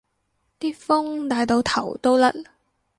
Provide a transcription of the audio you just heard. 啲風大到頭都甩